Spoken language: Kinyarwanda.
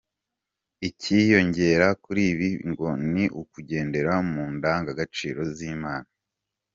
Icyiyongera kuri ibi ngo ni ‘ukugendera mu ndangagaciro z’Imana’.